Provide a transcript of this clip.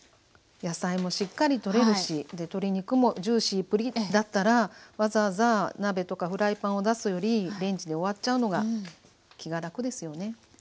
野菜もしっかりとれるし鶏肉もジューシープリッだったらわざわざ鍋とかフライパンを出すよりレンジで終わっちゃうのが気が楽ですよね？